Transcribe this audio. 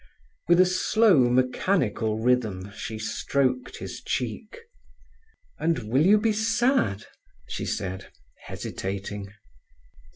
With a slow, mechanical rhythm she stroked his cheek. "And will you be sad?" she said, hesitating.